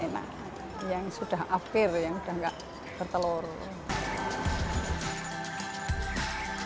yang sudah apir yang sudah nggak bertelur